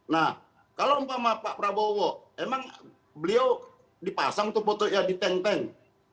nah kalau sama pak prabowo emang beliau dipasang untuk foto ya di tank tank